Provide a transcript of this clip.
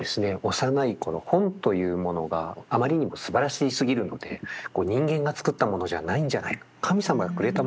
幼い頃本というものがあまりにもすばらしすぎるので人間が作ったものじゃないんじゃないか神様がくれたものだ。